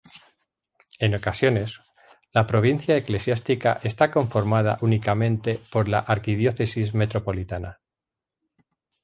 En ocasiones, la provincia eclesiástica está conformada únicamente por la arquidiócesis metropolitana.